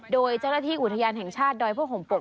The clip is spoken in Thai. โดยเจ้าหน้าที่อุทยานแห่งชาติดอยพระห่มปก